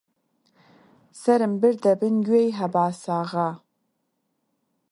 سەرم بردە بن گوێی هەباساغا: